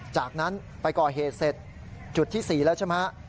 จากนั้นไปก่อเหตุเสร็จจุดที่๔แล้วใช่ไหมฮะ